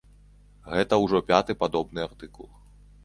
Гэта ўжо пяты падобны артыкул.